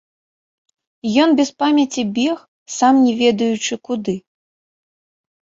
Ён без памяці бег, сам не ведаючы куды.